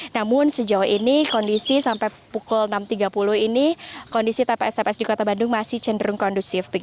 namun sejauh ini kondisi sampai pukul enam tiga puluh ini kondisi tps tps di kota bandung masih cenderung kondusif